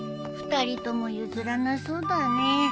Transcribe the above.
２人とも譲らなそうだね。